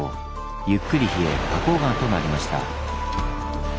ゆっくり冷え花こう岩となりました。